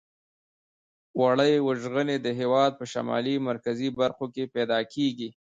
وړۍ وژغنې د هېواد په شمالي مرکزي برخو کې پیداکیږي.